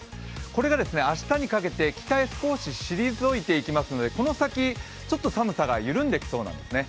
これが明日にかけて北へ少し退いていきますので、この先ちょっと寒さが緩んできそうなんですね。